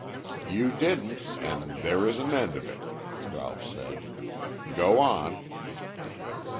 "You didn't and there is an end of it," Ralph said. "Go on."